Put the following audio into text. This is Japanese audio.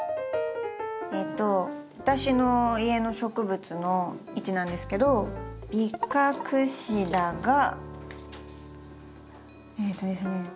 えと私の家の植物の位置なんですけどビカクシダがえとですね